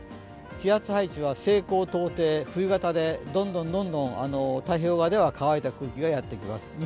気圧配置は西高東低冬型でどんどんどんどん太平洋側では乾いた空気がやってきます。